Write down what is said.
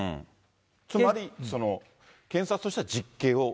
つまり検察としては実刑を。